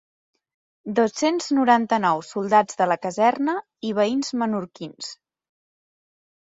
Dos-cents noranta-nou soldats de la caserna i veïns menorquins.